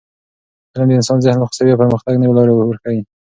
علم د انسان ذهن خلاصوي او د پرمختګ نوې لارې ورښيي.